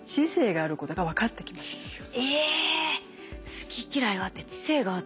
好き・嫌いがあって知性があって。